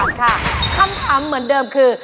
ค่ะคำถามเหมือนเดิมคือ